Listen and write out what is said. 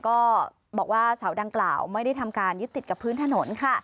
ก็บอกว่าเสาดังกล่าวไม่ได้ทำการยึดติดกับพื้นถนนค่ะ